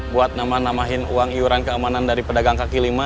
buat nama namahin uang iuran keamanan dari pedagang kaki lima